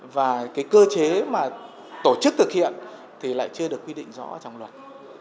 và cái cơ chế mà tổ chức thực hiện thì lại chưa được quy định rõ trong luật